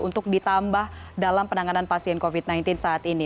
untuk ditambah dalam penanganan pasien covid sembilan belas saat ini